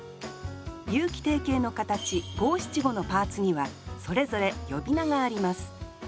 有季定型の形五・七・五のパーツにはそれぞれ呼び名があります